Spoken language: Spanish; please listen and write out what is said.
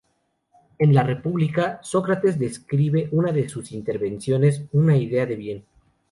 En "La República", Sócrates describe, en una de sus intervenciones, una "idea de bien".